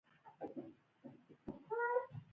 تا ته دوه سوه پنځوس افغانۍ درکوي